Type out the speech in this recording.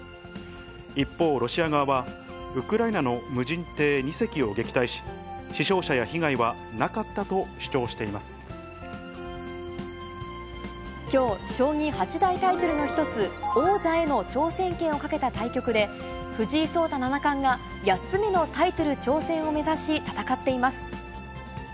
一方、ロシア側は、ウクライナの無人艇２隻を撃退し、死傷者や被きょう、将棋八大タイトルの一つ、王座への挑戦権をかけた対局で、藤井聡太七冠が８つ目のタイトル挑戦を目指し戦っています。